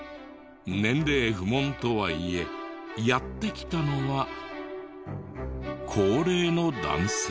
年齢不問とはいえやって来たのは高齢の男性。